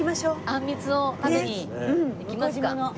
あんみつを食べにいきますか。